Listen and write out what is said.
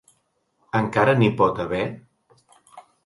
Encara n’hi pot haver?